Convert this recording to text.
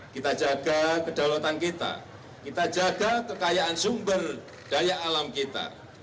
kita jaga kedaulatan kita kita jaga kekayaan sumber daya alam kita